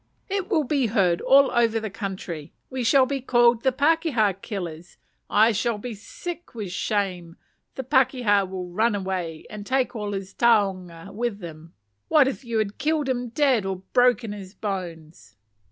It will be heard of all over the country; we shall be called the 'pakeha killers;' I shall be sick with shame; the pakeha will run away, and take all his taonga along with him: what if you had killed him dead, or broken his bones?